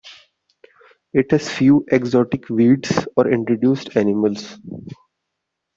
It has few exotic weeds or introduced animals.